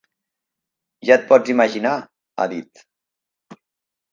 Ja et pots imaginar, ha dit.